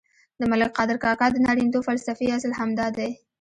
د ملک قادر کاکا د نارینتوب فلسفې اصل هم دادی.